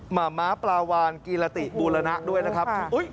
มาม้าปลาวานกีรติบูรณะด้วยนะครับ